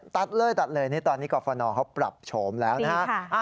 ตัดเลยตัดเลยนี่ตอนนี้กรฟนเขาปรับโฉมแล้วนะฮะ